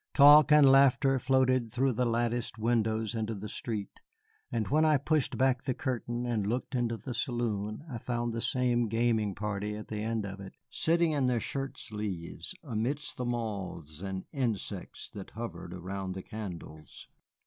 Talk and laughter floated through the latticed windows into the street, and when I had pushed back the curtain and looked into the saloon I found the same gaming party at the end of it, sitting in their shirt sleeves amidst the moths and insects that hovered around the candles.